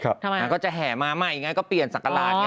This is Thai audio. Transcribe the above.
ทำไมก็จะแห่มาใหม่ไงก็เปลี่ยนศักราชไง